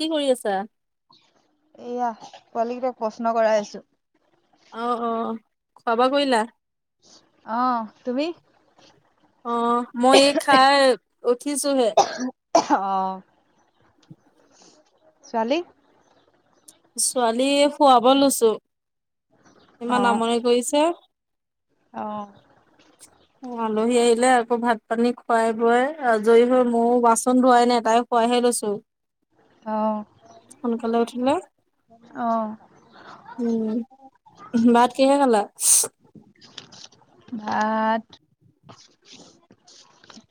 কি কৰি আছা এইয়া পোৱালী কেইটাক প্ৰশ্ন কৰাই আছো অ অ খোৱা বোৱা কৰিলা অ তুমি অ মই এই খাই উঠিছোহে অ ছোৱালী ছোৱালী শুৱাব লৈছো ইমান অ', আমনি কৰিছে অ আলহী আহিলে আকৌ ভাত পানী খুৱাই বোৱাই আজৰি হৈ মইয়ো বাচন ধোৱাই নাই তাই শুৱাইহে লৈছোঁ সোনকালে উঠিলে অ', উম ভাত কিহে খালা ভাত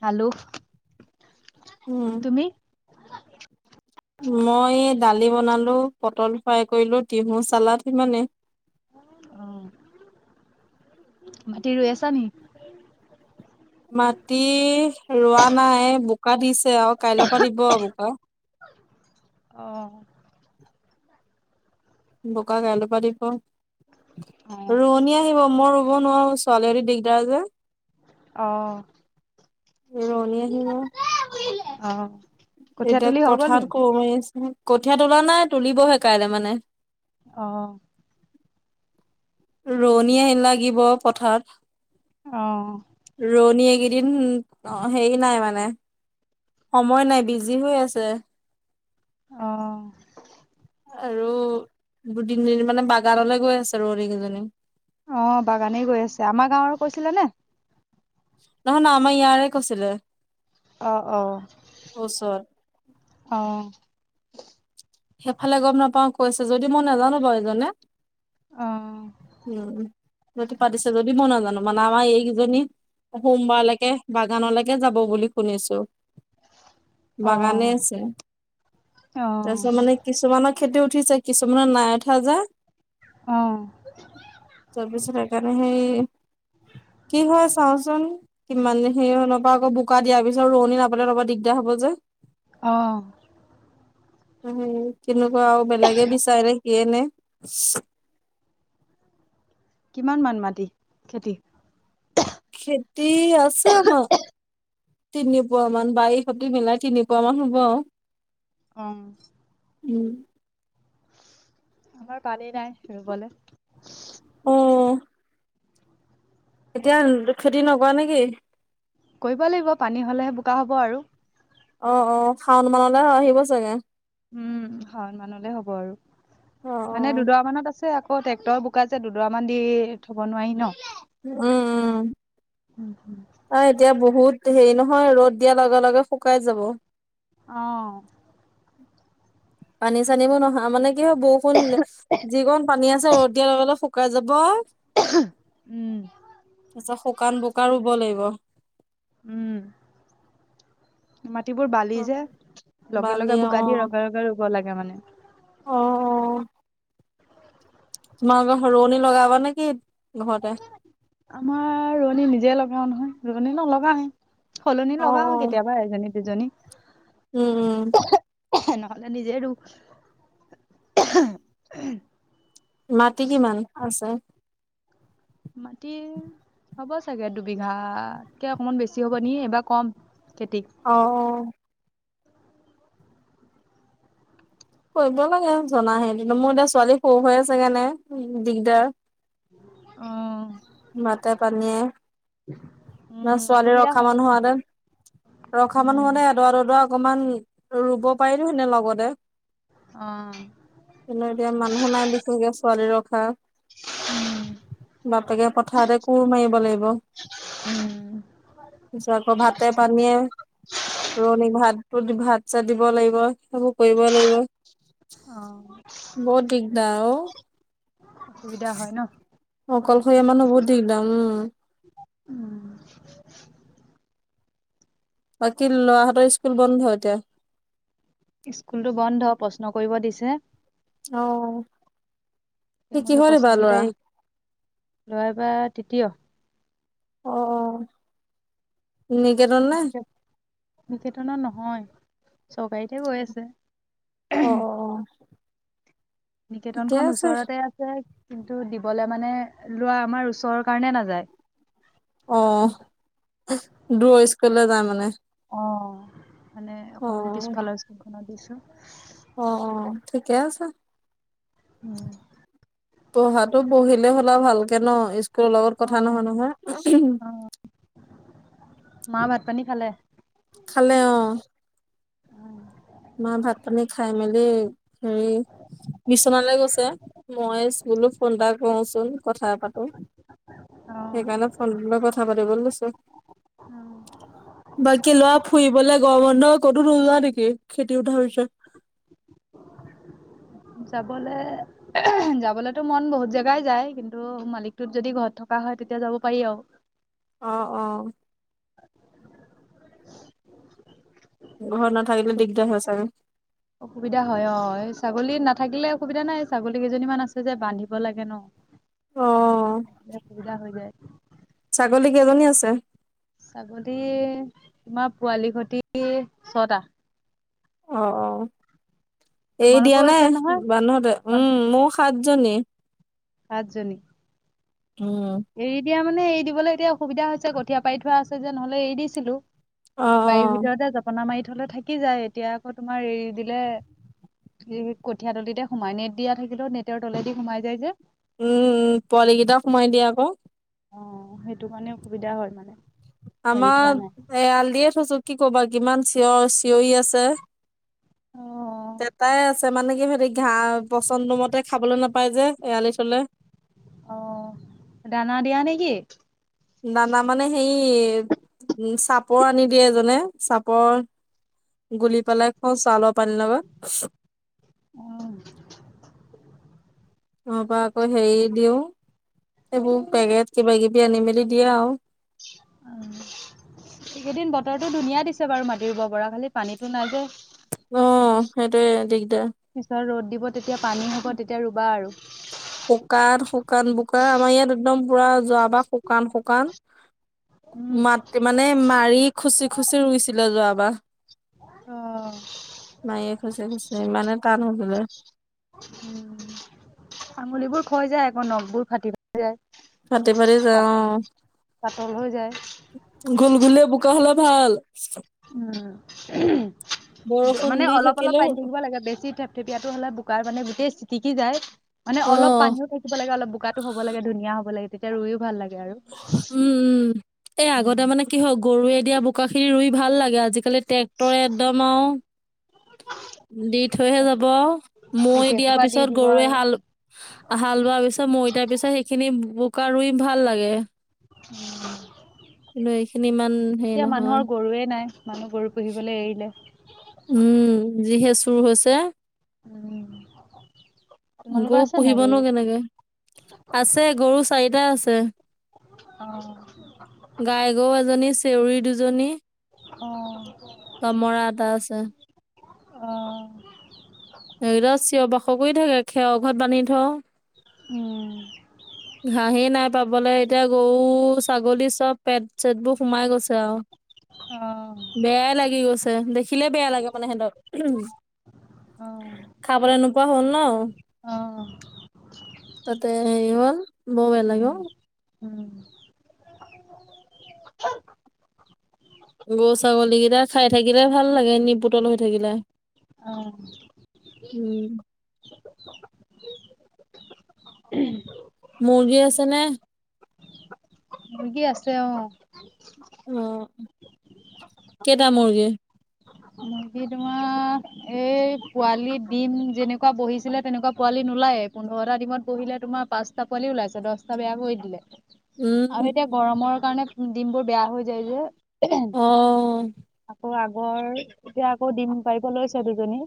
হেল্লৌ' উম। তুমি মই দালি বনালো পটল ফ্ৰাই কৰিলো টিহু চালাদ সিমানে অ মাটি ৰুই আছা নি মাটি ৰুৱা নাই বোকা দিছে আৰু কাইলৈৰ পৰা দিব আৰু বোকা অ বোকা কাইলৈ পৰা দিব অ', ৰোৱনী আহিব মোৰ ৰোব নোৱাৰো ছোৱালীৰি দিগদাৰ যে অঁ ৰোৱনী আহিব অ কঠীয়া এতিয়া তুলি হৈ গ'ল নি? পথাৰত কু মাৰি আছে। কঠীয়া তোলা নাই, তুলিব'হে কাইলৈ মানে। অহ। ৰুৱনি লাগিব পথাৰত। অঁহ। ৰুয়নী এইকেইদিন অহ', হেৰি নাই মানে- সময় নাই, বিজি হৈ আছে। অহ। আৰু দুদিন-তিনদিন মানে বাগানলৈ গৈ আছে ৰুৱনি কেইজনী। অঁ', বাগানেই গৈ আছে। আমাৰ গাঁৱৰ কৈছিলে নে? নহয় ন আমাৰ ইয়াৰে কৈছিলে। অহ', -অহ', ওচৰত -অঁহ-। সেইফালে গম নাপাওঁ, কৈছে যদি মই নাজানো বাৰু এজনে। অহ। হয়টো পাতিছে যদি মই নাজানো। মানে আমাৰ এইকেইজনী- সোমবাৰলৈকে বাগানলৈকে যাব বুলি শুনিছো। বাগানে আছে। অঁহ। তাৰপিছত মানে কিছুমানৰ খেতি উঠিছে, কিছুমানৰ নাই উঠা যে। অ', তাৰ পিছত সেইকাৰণে সেই- কি হয় চাওচোন, কিমান হেৰি হৈ নাপা আকৌ বু- কা দিয়াৰ পিছত ৰুৱনী নাপালে তোমাৰ দিগদাৰ হ'ব যে। অহ। উমঁ তেনেকুৱা আৰু, বেলেগে বিচাৰে নে কিয়ে নে। কিমান মান মাটি খেতি? খেতি আছে আমাৰ- তিনি পুৱা মান, বাৰী সতি মিলাই তিনি পুৱা মান হ'ব আও। অঁ। উম। আমাৰ পানী নাই ৰুবলৈ। অ। এতিয়া খেতি নকৰা নেকি? কৰিব লাগিব পানী হ'লেহে বোকা হ'ব আৰু। অহ', -অহ', শাওন মানলৈ আহিব চাগে। উমঁ হয়, ওমানলৈ হ'ব আৰু। মানে উম দুডুবা মানলে আছে আকৌ- ট্ৰেক্টৰ বোকা যে দুডুবা মানলে দি থব নোৱাৰি ন। উমঁ-উমঁ। অ এতিয়া বহুত হেৰি নহয় ৰ'দ দিয়া লগে-লগে শুকাই যাব। অঁহ। পানী চানীবোৰ নহয়, মানে কি হয় বৰষুণ- যিকণ পানী আছে ৰ'দ দিয়াৰ লগে-লগে শুকাই যাব। উমঁ। তাৰপিছত শুকান বোকা ৰুব লাগিব। উমঁ। মাটিবোৰ বালি যে বালি লগে-লগে অ বোকা দি লগে-লগে ৰুব লাগে মানে। অহ', -অহ', -। তোমালোকৰ সৰোৱনি লগাব নে কি, ঘৰতে? আমাৰ ৰোৱনী নিজে লগাও নহয়, ৰোৱনী নলগাওৱে। সলনি অ অ লগাও কেতিয়াবা এজনী-দুজনী। উম উম নহলে নিজে ৰো। মাটি কিমান আছে? মাটি হ'ব চাগে দুবিঘা-ত কে অকমান বেছি হ'ব নি এইবাৰ কম খেতি। অ' অ'। কৰিব লাগে জনাহেতিনো মোৰ এতিয়া ছোৱালী সৰু হৈ আছে কাৰনে দিগদাৰ। অ মাতে পানীয়ে উম ন ছোৱালী অসুবিধা ৰখা হয় মানুহ হোৱাহেতেন, ৰখা মানু উম হোৱা তেন দৰা দদৰা অকমান ৰুব পাৰিলো হেনে লগতে। অ' কিন্তু এতিয়া মানুহ নাই বিশেষকে ছোৱালী ৰখা। উম, বাপেকে পথাৰতে কোৰ মাৰিব লাগিব। উম, পিছত আকৌ ভাতে-পানীয়ে, ৰুৱণিক ভাত ভাত-চাত দিব লাগিব, সেইবোৰ- কৰিব লাগিব। অ বহুত দিগদাৰ অ'। অসুবিধা হয় ন? অকলশৰীয়া মানহ বহুত দিগদা উম্। উম বাকী ল'ৰাহঁতৰ স্কুল বন্ধ এতিয়া? স্কুলটো বন্ধ প্ৰশ্ন কৰিব দিছে। অঁ। তাকে কি-কিহত এইবাৰ ল'ৰা? লৰা এবাৰ তৃতীয়। অ' অ'। নি নিকেত- নিকেতনত নহয়। চৰকাৰীতহে গৈ আছে। অ', অ', অ', ঠিকে নিকেতনখন আছে। ওচৰতে আছে কিন্তু দিবলে মানে লুৱা আমাৰ ওচৰৰ কাৰণে নাযায়। অ', দুৰৈ স্কুললে যায় মানে? অঁ, মানে অকণমান অ'। পিছফালৰ স্কুলখনত দিছোঁ। অ অ, ঠিকে আছে। উম্ পঢ়াতো পঢ়িলে হ'লা ভালকে ন? স্কুলৱ লগত অ কথা নহ‌ নহয়। অ মা ভাত-পানী খালে? খালে অঁ। মা ভাত-পানী খাই মেলি হেৰি- বিছনালে গৈছে, মই স্কুললো ফোন এটা কৰোচ- কথা পাতো। অ সেইকাৰণে ফোনটো লৈ কথা পাতিব লৈছো। অ বাকী লৰা ফুৰিবলে গৰ বন্ধ ক'তো নোযোৱা নেকি? খেতি উঠা পিছত। [inaudible] যাবলে যাবলেতো মন বহুত জেগাই যায় কিন্তু মালিকটোত যদি ঘৰত থকা হয় তেতিয়া যাব পাৰি আও। অ অ ঘৰত নাথাকিলে দিগদাৰ হয় চাগে। অসুবিধা হয় অ ছাগলী নাথাকিলে অসুবিধা নাই, ছাগলী কেইজনী মান আছে যে বান্ধিব লাগে ন। [inaudible] মানুহ থে সুবিধা হৈ যায়। ছাগলী কেইজনী আছে? ছাগলী তোমাৰ পোৱালি হতি ছটা। অ অ এৰি দিয়া তোমালোকৰও নে আছে নহয় বান্ধ তই তোমাৰ উম মোক, সাতজনী, আাতজনী, উম এৰি দিয়া মানে এৰি দিবলৈ এতিয়া অসুবিধা হৈছে কঠীয়া পাৰি থোৱা আছে যে নহলে এৰি দিছিলো। অ অ বাৰীৰ ভিতৰতে জপনা মাৰি থলে থাকি যায় এতিয়া আকৌ তোমাৰ এৰি দিলে, সেই কঠীয়া তলিতে সোমায়, নেট দিয়া থাকিলেও নেটৰ তলেদি সোমাই যায় যে। উম উম পোৱালিকেইটাও সোমাই দিয়া আক, অ সেইটো কাৰণে অসুবিধা হয় মানে। হেৰি থোৱা আমাৰ নাই এ আলডিয়ে থৈছো কি ক'বা কিমান চিঞৰ চিঞৰি আছে। অ পেপাই আছে মানে কি হিওতি, ধা পছন্দমতে খাবলৈ নাপায় যে এৰালি থলে, অ' দানা দিয়া নেকি? দানা মানে হে ই চাপৰ আনি দিয়ে এজনে চাপৰ, গুলি পেলাই খোৱাও চাউলৰ পানী লগত। আহ তা পা আকৌ হেৰি দিও এইবোৰ পেকেট কিবা কিবি আনি মেলি দিয়ে আৰু, উম এই কেইদিন বতৰতো ধুনীয়া দিছে বাৰু মাতি ৰুব পৰা, খালি পানীতো নাই যে। অ সেইটোয়ে দিগদাৰ। পিছত ৰ'দ দিব তেতিয়া পানী হ'ব তেতিয়া ৰুবা আৰু, শুকান শুকান বোকা আমাৰ ইয়াত একদম পুৰা যোৱা বা শুকান শুকান, উম মাত মানে মাৰি খুচি খুচি ৰুইছিলে যোৱাবাৰ। অ মায়ে খুচ খুছে ইমানে টান ৰুবলে। উম আঙুলিবোৰ খাই যায় আক নখবোৰ ফাটিবা যায়, ফাটি ফাটি যায় পাট পাতল হৈ যায়। গুল গুলিয়া বোকা হলে ভাল, উম বৰষুণ মানে দি অলপ অলপ থাকিলেও পানী থাকিব লাগে বেছি থেপথেপিয়াটো হ'লে বোকাৰ মানে গোটেই চিতিকি যায়। মানে অ অলপ পানীও থাকিব লাগে অলপ বোকাতো হব লাগে ধুনীয়া হব লাগে তেতিয়া ৰুইও ভাল লাগে। আৰু উম উম এই উম আগতে মানে কি হয় গৰুৱে দিয়া বোকা খিনি ৰুই ভাল লাগে আজিকালি ট্ৰেক্টৰে একদম আৰু, দি থৈহে যাব মৈ গোটেই দিয়াৰ সোপা দি পিছত দিব গৰুৱে আৰু হাল হালবৱা পিছত মৈ দিয়া পিছত সেইখিনি বোকা ৰুই ভাল লাগে। কিন্তু এইখিনি ইমান হেৰি এতিয়া নহয় মানুহৰ গৰুৱে নাই, মানুহ গৰু পুহিবলৈ এৰিলে। উম যিহে চুৰ হৈছে, উম। তোমালোকৰ গৰু আছে নাই গৰু? পুহিবনো কেনেকে। আছে গৰু চাৰিটা আছে। অ',। [unintelligible] এজনী, চেউৰী দুজনী। দমৰা এটা অ', আছে অ', ধৰিলোৱা চিঞৰ বাসৰ কৰি থাকে, খেৰৰ ঘৰত বান্ধি থওঁ। উমঁ। ঘাহেঁই নাই পাবলৈ, এতিয়া গৰু-ছাগলী চ'ব পেট-চেটবোৰ সোমাই গৈছে আৰু, অ', বেয়াই লাগি গৈছে দেখি। দেখিলেই বেয়া লাগে মানে সিহঁতক। অ', খাবলৈ নোপোৱা হ'ল ন'। অ', তাতে হেৰি হ'ল, বৰ বেয়া লাগে উম, অ',। উম। গৰু ছাগলীকেইটাই খাই থাকিলে ভাল লাগে, নিপুতল হৈ থাকিলে। অ', উম। [unintelligible] মুৰ্গী আছে নে? মুৰ্গী আছে অ', অঁ', কেইটা মুৰ্গী? মুৰ্গী তোমাৰ এই পোৱালি ডিম যেনেকুৱা বহিছিলে তেনেকুৱা পোৱালি নোলায়ে। পোন্ধৰটা দিমত বহিলে তোমাৰ পাঁচটা পোৱালি ওলাইছে, দহটা বেয়া কৰি দিলে। আৰু উম। এতিয়া গৰমৰ কাৰণে ডিম বোৰ বেয়া হৈ যায় যে। অ আকৌ আগৰ, এতিয়া আকৌ দিম পাৰিব লৈছে দুজনী।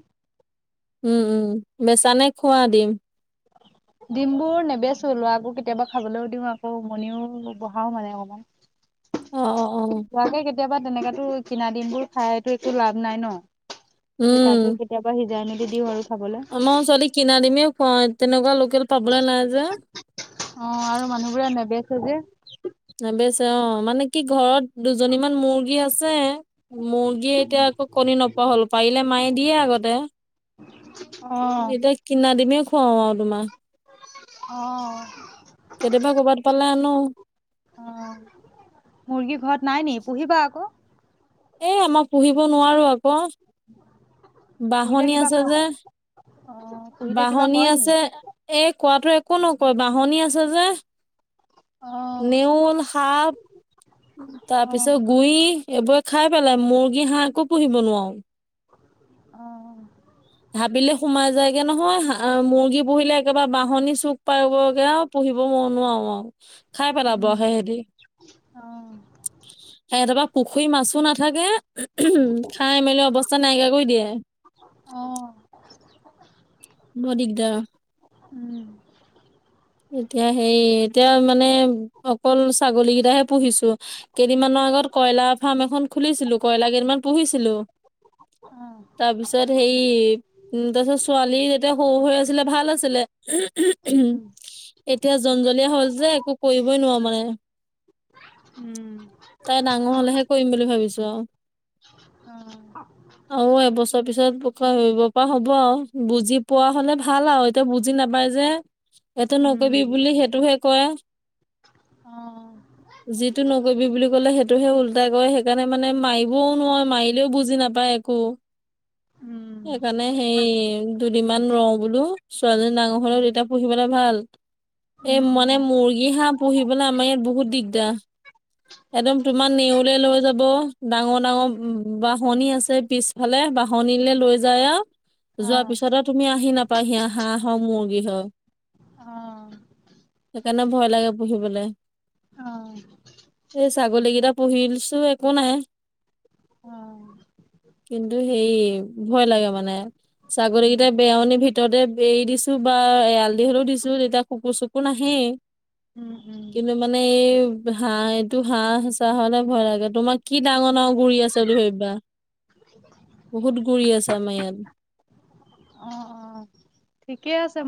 উম, উম, বেচা নে খোৱা দিম। [unintelligible] ডিম বোৰ নেবেচো লৰাকো কেতিয়াবা খাবলৈও দিওঁ আকৌ উমনিও বঢ়হাও মানে অকমান। অ', অ', অ', তোৱাকে কেতিয়াবা তেনেকাতো কিনা দিম বোৰ খাইটো একো লাভ নাই ন'। সেই উম। তাকে কেতিয়াবা সিজাই মেলি দিওঁ আৰু। খাবলৈ মই ছোৱালীক কিনা দিমেই খোৱাও, তেনেকুৱা লোকেল পাবলৈ নাই যে। অ', আৰু মানুহবোৰে নেবেছে যে। নেবেছে অ' মানে কি ঘৰত দুজনীমান মুৰ্গী আছে- ছে, মুৰ্গীয়ে এতিয়া আকৌ কণী নোপোৱা হ'ল, পাৰিলে মায়ে দিয়ে আগতে। অঁ'। এতিয়া কিনা ডিমেই খুৱাও আৰু তোমাৰ। অ', কেতিয়াবা কৰ'বাত পালে আনো। অঁ' মুৰ্গী ঘৰত নাই নেকি? পুহিবা আকৌ। এ আমাৰ পুহিব নোৱাৰো আকৌ। পুহিলে বাহনি কিবা ক আছে যে অ', পুহিলে কিবা বাহনি কয় নি? আছে। এ, কোৱাটোৱে একো নকয়, বাহনি আছে যে। অঁ। নেউল, সাপ- তাৰ অ', পিছত গুৰি এইবোৰে খাই পেলাই মুৰ্গী, হাঁহ একো পুহিব নোৱাৰো। অঁ'। হাবিলে সোমাই যায়গে নহয়। হাঁ-আ মুৰ্গী পোঁহিলে একেবাৰে বাঁহনী চুক পাবগে আও পুঁহিব মই নোৱাৰোঁ আও। খাই পেলাব হেতি। অঁ, হেঁতৰ পৰা পুখুৰীৰ মাছো নাথাকে। ওঁ-হোঁ খাই -মেলি অৱস্থা নাইকীয়া কৰি দিয়ে। অ'। বৰ দিগ্‌দা। ওঁ-হ। এতিয়া হেই এতিয়া মানে অকল ছাগলী কেইটাহে পুঁহিছো। কেইদিনমানৰ আগত কইলা ফাৰ্ম এখন খুলিছিলোঁ। কইলাৰ কেইটামান পুঁহিছিলোঁ। অ', তাৰপিছত হেৰি উম, তাৰপিছত ছোৱালী যেতিয়া সৰু হৈ আছিলে ভাল আছিলে। ওহো ওহোহ ওঁ উম, এতিয়া জনজলীয়া হ'ল যে একো কৰিবই নোৱাৰো।। মানে উম, তাই ডাঙৰ হ'লেহে কৰিম বুলি ভাৱিছো আও। অঁ-অ আৰু এবছৰ পিছত ভোক খা ধৰিব পৰা হ'ব আও। বুজি পোৱা হলে ভাল আও। এতিয়া বুজি নাপায় যে, এইটো নকৰিবি বুলিলে সেইটোহে কৰে। অঁ যিটো নকৰিবি বুলি ক'লে সেইটোহে উলটাই কৰে। সেইকাৰণে মানে মাৰিবও নোৱাও মাৰিলেও বুজি নাপায়। ক উম, সেইকাৰণে সেইটো সেই হয় বাৰু দুদিনমান ৰওঁ বোলো ছোৱালী ডাঙৰ হয় লওক তেতিয়া পুঁহিবলে ভাল। এই উম, মানে উম, মুৰ্গী, হাঁহ পুঁহিবলে আমাৰ ইয়াত বহুত দিগদাৰ। একদম তোমাৰ নেউলে লৈ যাব, ডাঙৰ ডাঙৰ বাঁহনি আছে পিছ ফালে বাঁহনিলে লৈ যায় আও। যোৱা অ', পিছত আও তুমি আহি নাপাইহি আ হাঁহ হওঁক, মুৰ্গী হওঁক। অঁ। সেইকাৰণে ভয় লাগে পুঁহিবলে। 'অঁ। এই ছাগলীকেইটা পুঁহিছো। একো নাই। অঁ। কিন্তু সেই ভয় লাগে মানে। উম, ছাগলীকেইটাই বেয়নিৰ ভিতৰতে বেৰি দিছো। বা এৰা দেৰও দিছো যেতিয়া কুকুৰ-চুকুৰ নাহে। উম, উম, কিন্তু মানে এই হাঁহ এইটো হাঁহ -চাহ হ'লে ভয় লাগে। তোমাৰ কি ডাঙৰ ডাঙৰ গুৰি আছে। সেই বুলি ভাৱিবা। বহুত গুৰি আছে আমাৰ ইয়াত। অঁ, অঁ। ঠিকেই আছে।